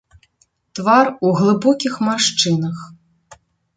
Твар у глыбокіх маршчынах.